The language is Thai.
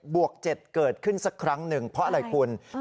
วก๗เกิดขึ้นสักครั้งหนึ่งเพราะอะไรคุณ